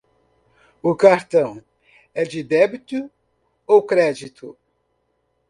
O cartão é de débito ou crédito?